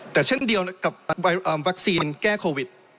แต่เช่นเดียวกับวัคซีนแก้โควิด